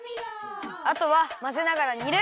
あとはまぜながらにる！